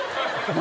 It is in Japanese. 何？